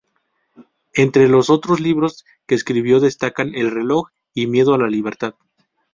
Entre los otros libros que escribió destacan "El reloj", y "Miedo a la libertad".